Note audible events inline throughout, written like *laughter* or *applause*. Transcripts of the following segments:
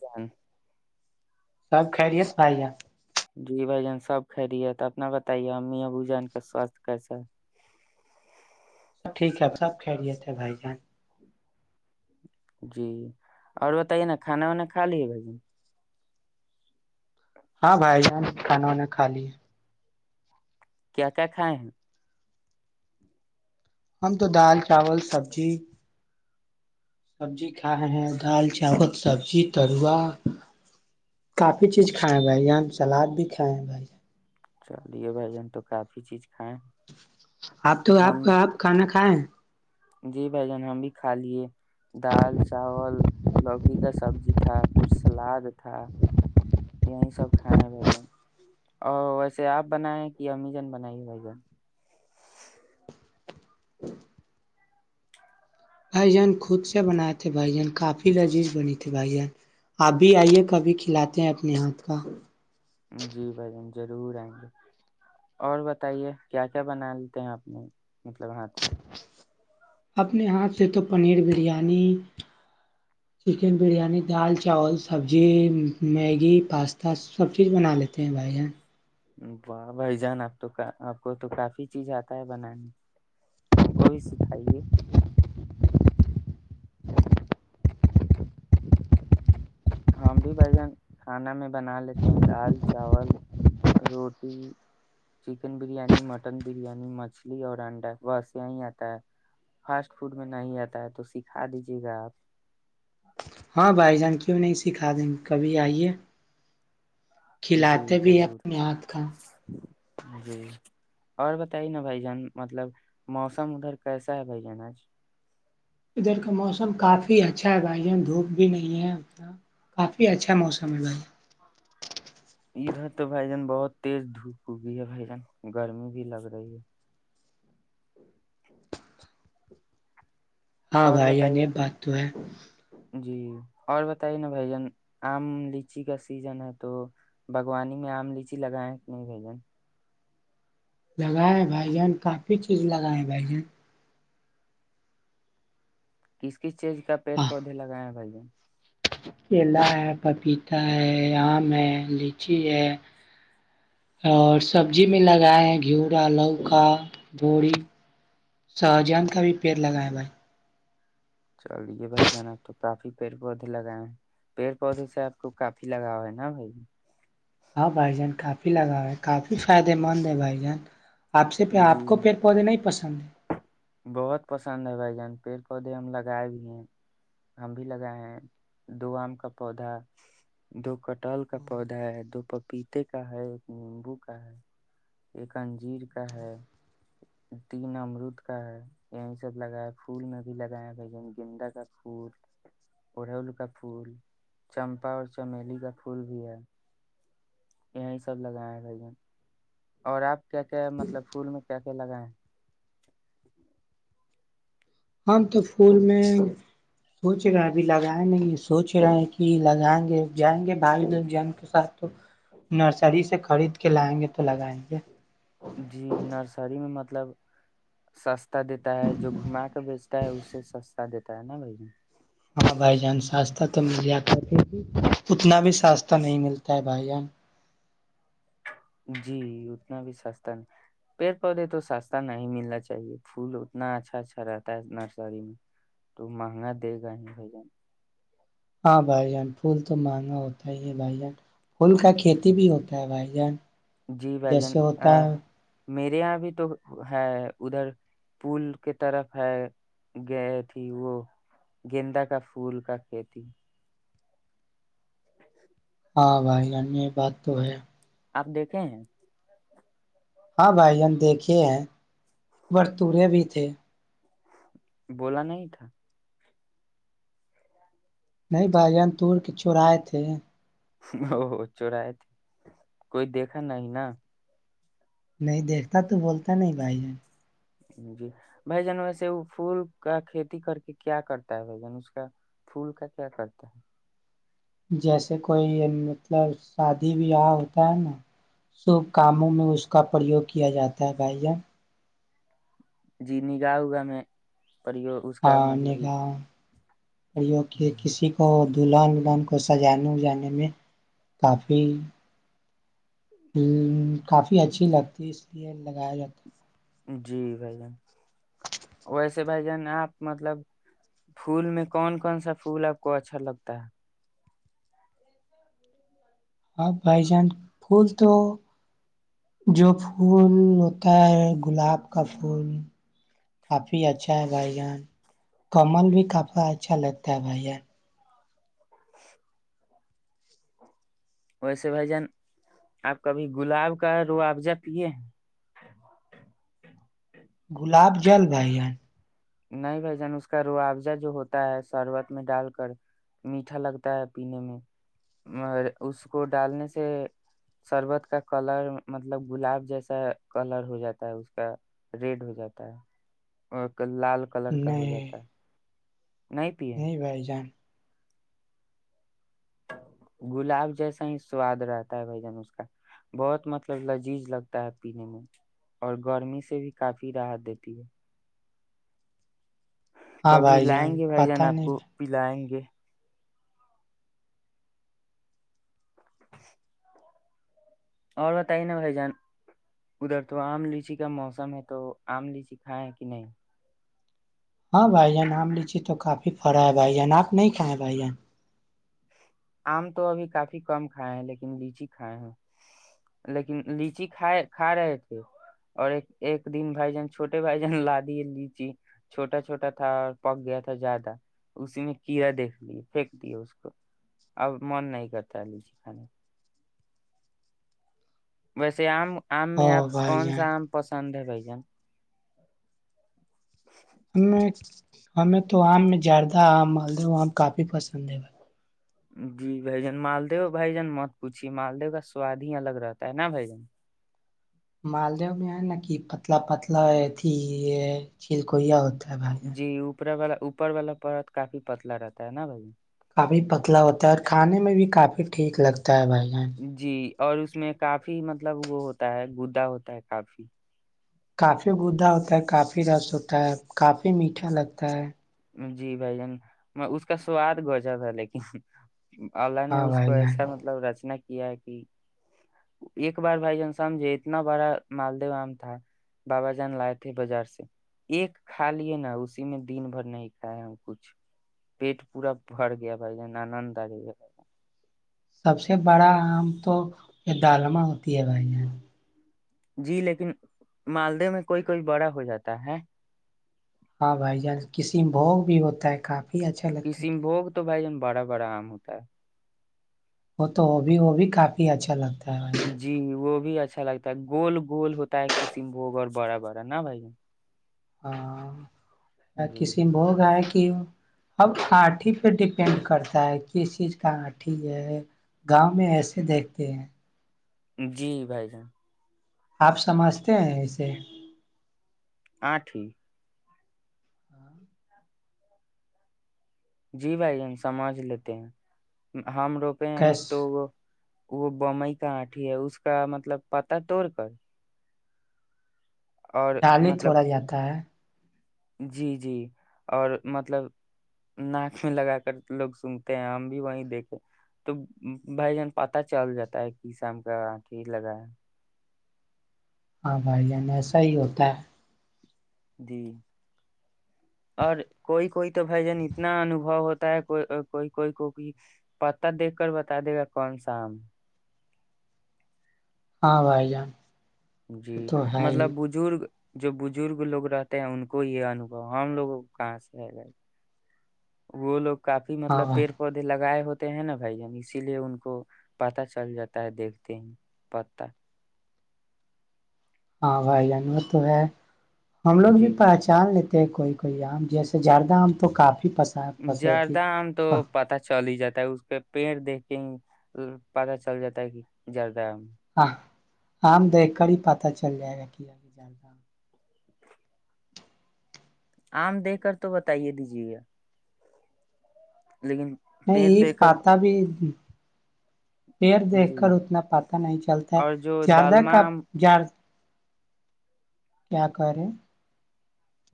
جان *inaudible* سب کھ رہیے بھائی جی بھ جانب خ رہیے ت اپنا بتائیے امی بو جن کا سواستھ کیسا ہے سب ٹھیک ہے سب کھیریے تھے بھائی جان جی اور بتائیے نا کھانا وانا کھا لیے بھائی ہاں بھائی جان کھانا وانا کھا لی کیا کیا کھائے ہیں ہم تو دال چاول سبزی سبزی کھائے ہیں دال چاول سبزی ترو کافی چیز کھائے ہیں بھائی یہاں سلاد بھی کھائے ہیں بھائی چلیے بھ جان تو کافی چیز *inaudible* آپ تو آپ ہم آپ کھانا کھائیں جی بھ جان ہم بھی کھا لیے دال چاول لوکی کا سبزی تھا پھر سلاد تھا یہی سب کھائے بھ جن اور ویسے آپ بنائے کہ امی جن بنائیے بھ جن بھائی جان خود سے بناائے تھے بھائی جان کافی لذیذ بنی تھے بھائی جان آب بھی آئیے کبھی کھلاتے ہیں اپنے ہاتھ کا جی بھائین ضرور آئیں گے اور بتائیے کیا کیا بنا لیتے ہیں اپنے مطلب ہاتھ سے *inaudible* اپنے ہاتھ سے تو پنیر بریانی چکن بریانی دال چاول سبزی میگی پاستا سب چیز بنا لیتے ہیں بھائی جان واہ بھائی جان آب تو آپ کو تو کافی چیز آتا ہے بنانے ہم کو بھی سکھائیے ہم بھی بھن کھانا میں بنا لیتے ہیں دال چاول روٹی چکن بریانی مٹن بریانی مچھلی اور انڈا بس یہی آتا ہے فاسٹ فوڈ میں نہیں آتا ہے تو سکھا دیجیے گا آپ ہاں بھائی جان کیوں نہیں سکھا دیں گے کبھی آئیے جی کھلاتے بھی ہیں ضرور اپنے ہاتھ کا جی اور بتائیے نا بھائی جان مطلب موسم ادھر کیسا ہے بھائی جان آج *inaudible* ادھر کا موسم کافی اچھا ہے بھائی جان دھوپ بھی نہیں ہے اتنا کافی اچھا موسم ہے بھائیان ادھر تو بھائی جان بہت تیز دھوپ ہوگی ہے بھائی جان گرمی بھی لگ رہی ہے ہاں اور بھائی بتائیے انب بات تو ہے جی اور بتائیے نا بھ جن آم لیچی کا سیزن ہے تو باغوانی میں آم لیچی لگائائےیں کہ نہیں بھجن لگائےیں بھائی جان کافی چیز لگائے بھائی جان کس *inaudible* کس چیز کا پیڑ ہاں پودے لگائے ہیں بھائی ج کیلا ہے پپیتا ہے آم ہے لچی ہے اور سبزی میں لگائے ہیں گھیورا لوکا بھڑی سہجان کا بھی پیڑ لگائے بھائی چلیے بھائی جان آپ تو کافی پیڑ پودے لگائے ہیں پیڑ پودے سے آپ کو کافی لگاؤ ہے نا بھائی ج *inaudible* ہاں بھائی جان کافی لگاؤ ہے کافی فائدے مند ہے بھائی جان آپ سے جی آپ کو پیڑ پودے نہیں پسند چے *inaudible* بہت پسند ہے بھائی جان پیڑ پودے ہم لگائے بھی ہیں ہم بھی لگائے ہیں دو آم کا پودا دو ک ٹال کا پودا ہے دو پک پیتے کا ہے ایک نیمبو کا ہے ایک انجیر کا ہے تین امرد کا ہے یہی سب لگایا پھول میں بھی لگایا ہے یہ گینندا کا پھول اڑیول کا پھول چمپا اور چمیلی کا پھول بھی ہے یہی سب لگایا ہے یہ اور آپ کیا کیا مطلب فھول میں کیا کیا لگا ہے ہم تو پھول میں سوچ رہے ابھی لگائے نہیں سوچ رہے ہیں کہ لگائیں گے جائیں گے بھائی لگ جن کے ساتھ تو نرسری سے خرید کے لائیں گے تو لگائیں گے جی نرسری میں مت مطلب سستا دیتا ہے جو گھما کے بیچتا ہے اسے سستا دیتا ہے نا بھائی ج ہاں بھائی جان سسہ تو مل جاتا اتنا بھی سسہ نہیں ملتا ہے بھائی جان جی اتنا بھی سستا نہیں پیڑ پودے تو سستا نہیں ملنا چاہیے پھول اتنا اچھا اچھا رہتا ہے نرسری میں تو مہنگا دے گا ہی بھائی جان ہاں بھائی جان پھول تو مہنگا ہوتا ہی ہے بھائی جان پھول کا کھیتی جی بھی ہوتا ہے بھائی جان جی بھائی جان جیسے ہوتا آ، ہے میرے یہاں بھی تو ہے ادھر پول کے طرف ہے گئے تھی وہ گیندا کا پھول کا کھیتی سہی ہاں بھائی انیہ یہ بات تو ہے آپ دیکھے ہیں ہاں بھائی ہم دیکھے ہیں برتوریا بی مے بولا نہیں تھا نہیں بھائی جان تور ک چور آئے تھے او چورئے تھے کوئی دیکھا نہیں نا نہیں دیکھتا تو بولتا نہیں بھائی ج جی بھائی جان ویسے وہ پھول کا کھیتی کر کے کیا کرتا ہے بھ جان اس کا پھول کا کیا کرتا ہے جیسے کوئی مطلب شادی بیاہ ہوتا ہے نا شب کاموں میں اس کا پریوگ کیا جاتا ہے بھائی جان جی نگاہ ہوگا میں پرریو اس کا مطلب اور یہ کہ کسی کو دلہن ولہن کو سجانے وجانے میں کافی ہ کافی اچھی لگتی ہے اس لیے لگایا جاتا ہے جی بھائی جان ویسے بھائی جان آپ مطلب پھول میں کون کون سا پھول آپ کو اچھا لگتا ہے ہاں بھائی جان پھول تو جو پھول ہوتا ہے گلاب کا پھول کافی اچھا ہے بھائی جان کمل بھی کافی اچھا لگتا ہے بھائی جان ہاں ویسے بھائی جان آپ کبھی گلاب کا ر افضہ پیے گلاب جل بھائی جان نہیں بھائی جان اس کا رواوضہ جو ہوتا ہے شربت میں ڈال کر میٹھا لگتا ہے پینے میں اس کو ڈالنے سے شربت کا کلر مطلب گلاب جیسا کلر ہو جاتا ہے اس کا ریڈ ہو جاتا ہے لال کلر کا ہو نہیں جاتا ہے پیے ہیں؟ نہیں بھائی جان گلاب جیسا ہی سواد رہتا ہے بھ جان اس کا بہت مطلب لذیذ لگتا ہے پینے میں اور گرمی سے بھی کافی راحت دیتی ہے ہاں کبھی بھائی لائیں جان گے بھائی پتہ جان آپ نہیں کو پ لائیں گے *unintelligible* اور بتائیے نا بھائی جان ادھر تو آم لیچی کا موسم ہے تو آم لیچی کھائےیں کہ نہیں ہاں بھائی جان آم لیچی تو کافی پڑا ہے بھائی جان آپ نہیں کھیں بھائی جان آم تو ابھی کافی کم کھائے ہیں لیکن لیچی کھائے ہیں لیکن لیچی کھائے کھا رہے تھے اور ایک ایک دن بھائی جان چھوٹے بھائی جان لا دیے لیچی چھوٹا چھوٹا تھا اور پک گیا تھا زیادہ اسی میں کیڑا دیکھ لیے پھینک دیے اس کو اب من نہیں کرتا ال جی کانے ویسے آم آم او میں آپ بھائی کون سا جان آم پسند ہے بھائی م ہمیں ہمیں تو آم میں زیادہ آم مالدہ آم کافی پسند ہے ب جی بھجن مالدو بھائیجن مت پوچھیے مالدیو کا سواد ہی الگ رہتا ہے نا بھجن مالدیو میں ہے نا کہ پتلا پتلا تھی یہ چلکویا ہوتا ہے بھائی جان جی اوپر والا اوپر والا پت کافی پتلا رہتا ہے نا بھائی کافی پتلا ہوتا ہے اور کھانے میں بھی کافی ٹھیک لگتا ہے کیا بھائی جن جی اور اس میں کافی مطلب وہ ہوتا ہے گدا ہوتا ہے کافی کافی گدا ہوتا ہے کافی رس ہوتا ہے کافی میٹھا لگتا ہے جی بھائی جان میں اس کا سواد گوچا تھا لیکن اللہ نے ہاں اس کو بھائی جان ایسا مطلب رچنا کیا کہ ایک بار بھائی جان سمجھے اتنا بڑا مالدو آم تھا بابا جان لائے تھے بازار سے ایک کھا لیے نا اسی میں دن بھر نہیں کھائے ہم کچھ پیٹ پورا بھر گیا بھائی جان آنند آ ج گیاھ سب سے بڑا آم تو یہ دالما ہوتی ہے بھائی جان جی لیکن مالدی میں کوئی کوئی بڑا ہو جاتا ہے ہاں بھائی جان کسی میں بھوگ بھی ہوتا ہے کافی یہی اچھا لگتا ہے کسیم بھوگ تو بھائی جان بڑا بڑا آم ہوتا ہے وہ تو وہ بھی وہ بھی کافی اچھا لگتا ہے بھائی جی وہ بھی اچھا لگتا ہے گول گول ہوتا ہے کسیم بھوگ اور بڑا بڑا نا بھائی ہاں کسیم جی بوگ ہے کہ *unintelligible* ہمب آٹھی پہ ڈپینڈ کرتا ہے کس چیز کا آٹھی ہے گاؤں میں ایسے دیکھتے ہیں جی بھائی جان آپ سمجھتے ہیں اسے آٹھ جی بھائی ہم سمج لیتے ہیں ہم روپے ہیں کیس ایک تو وہ *unintelligible* وہ بمئی کا آٹھی ہے اس کا مطلب پتا توڑ کر اور ڈال ہی مطلب تھوڑا جاتا ہے جی جی اور مطلب ناک میں لگا کر لوگ سنگتے ہیں ہم بھی وہی دیکھے تو بھائی جان پتا چل جاتا ہے کہ شام کا آنکھیں لگا ہے ہاں بھائی صحیح ہوتا ہے جی اور کوئی کوئی تو بھائی جان اتنا انوبو ہوتا ہے کوئی کوئی کوئی کو پتاہ دیکھ کر بتا دے گا کون سا ہمم ہاں بھائی جان جی وہ تو ہے ہی مطلب بزرگ جو بزرگ لوگ رہتے ہیں ان کو یہ انوبو ہم لوگوں کو کہاں سے ہے گا وہ لوگ کافی ہاں مطلب بھائی پیڑ پودے لگائے ہوتے ہیں نا بھائی جان اسی لیے ان کو پتا چل جاتا ہے دیکھتے ہی پ ہاں بھائی جور تو ہے *unintelligible* ہم لوگ بھی جی پہچان لیتے کوئی کوئی آم جیسے زیادہ آم تو کپ جردہام تو پتاہ چل ہی جاتا اس پہ پیڑ دیکھ کے ہی پتا چل جاتا ہے کہ جرد دم *inaudible* ہاں آم دیک کر ہی پتا چل جائے گا کیا ج آم دے کر تو بتائیے دیجے گ پیڑ نہیں دیکھ کر پاتا بھی پیر دیکھ جی کر اتنا پا نہیں چلتا ہے اور جو زیادہ دالما کا آم ج کیا کرے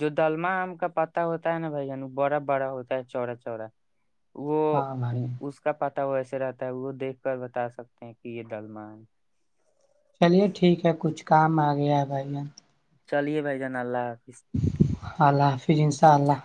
جو دلما آم کا پتا ہوتا ہے نا بھائی ج وہ بڑا بڑا ہوتا ہے چوڑا چوڑا ہاں بھائی وسے رہتا ہے وہ دیکھ کر بتا سکتے ہیں کہ یہ دللمال چلیے ٹھیک ہے کچھ کام آ گیا ہے بھائی یہان چلیے بھائی جان اللہ ح اللہ حافظسا اللہ